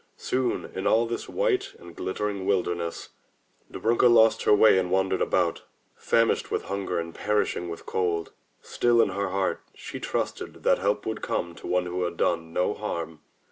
Soon in all this white and glit tering wilderness, Dobrunka lost her way and wandered about, famishing with hunger and perishing with cold. Still in her heart she trusted that help would come to one who had done no harm.